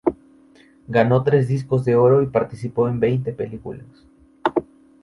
Ganó tres discos de oro y participó en veinte películas.